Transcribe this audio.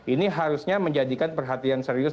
ini harusnya menjadikan perhatian serius